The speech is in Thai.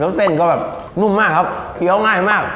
แล้วเส้นก็แบบนุ่มมากครับเคี้ยวง่ายมาก